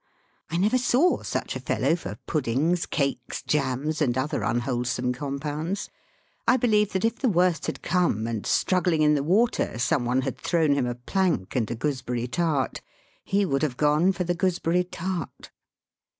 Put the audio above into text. I never saw such a fellow for puddings, cakes, jams, and other unwholesome compounds. I beUeve that if the worst had come, and, struggling in the water, some one had thrown him a plank and a gooseberry tart, he would have gone for the gooseberry tart.